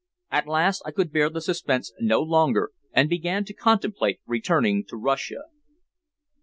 At last I could bear the suspense no longer, and began to contemplate returning to Russia.